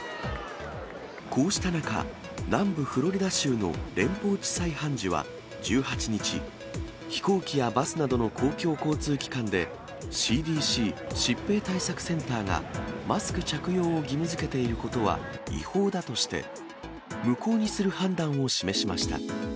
こうした中、南部フロリダ州の連邦地裁判事は１８日、飛行機やバスなどの公共交通機関で、ＣＤＣ・疾病対策センターがマスク着用を義務づけていることは違法だとして、無効にする判断を示しました。